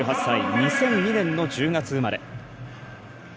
２００２年の１０月生まれ。